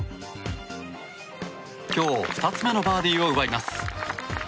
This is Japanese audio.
今日２つ目のバーディーを奪います。